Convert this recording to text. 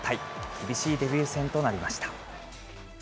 厳しいデビュー戦となりました。